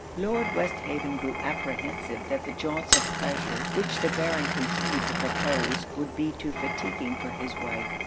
Lord Westhaven grew apprehensive that the jaunts of pleasure which the Baron continued to propose would be too fatigueing for his wife.